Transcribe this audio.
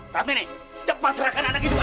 radmi serahkan anak hidupku